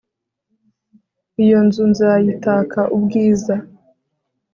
iyo nzu nzayitaka ubwiza